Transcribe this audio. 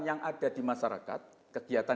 yang ada di masyarakat kegiatan